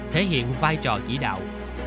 thể hiện vai trò chỉ đạo